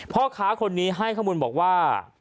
พ่อค้าคนนี้ให้ข้อมูลบอกว่า